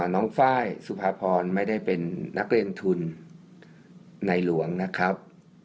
ไฟล์สุภาพรไม่ได้เป็นนักเรียนทุนในหลวงนะครับ